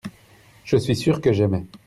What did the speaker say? je suis sûr que j'aimais.